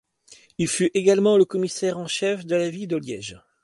Il fut également le commissaire en chef de la ville de Liège.